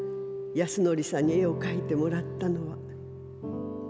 安典さんに絵を描いてもらったのは。